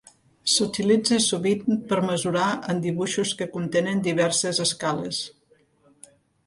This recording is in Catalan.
S'utilitza sovint per mesurar en dibuixos que contenen diverses escales.